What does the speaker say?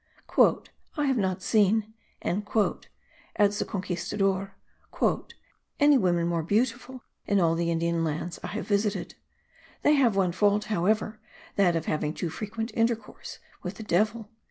"I have not seen," adds the Conquistador, "any women more beautiful* in all the Indian lands I have visited: they have one fault, however, that of having too frequent intercourse with the devil."